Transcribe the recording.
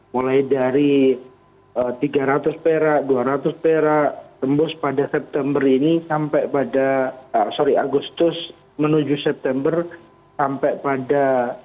mulai dari tiga ratus perak dua ratus perak tembus pada agustus menuju september sampai pada seribu